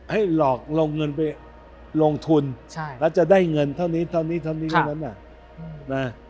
หลอกลงเงินไปลงทุนแล้วจะได้เงินเท่านี้เท่านี้เท่านี้เท่านั้น